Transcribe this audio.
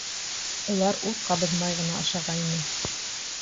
Улар ут ҡабыҙмай ғына ашағайны.